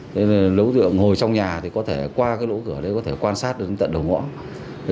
nên đối tượng ngồi trong nhà thì có thể qua lỗ cửa đấy có thể quan sát đến tận đầu ngõ